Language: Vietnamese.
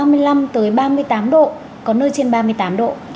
nhiệt độ cao nhất là ba mươi tám độ có nơi trên ba mươi tám độ